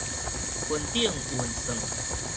雲頂運算